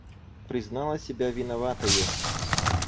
Признала себя виноватою.